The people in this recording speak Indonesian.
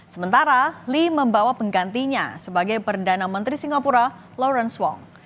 sementara lee membawa penggantinya sebagai perdana menteri singapura lawrence wong